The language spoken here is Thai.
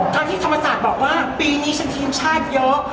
ทั้งที่ธรรมศาสตร์บอกว่าปีนี้ฉันทีมชาติเยอะ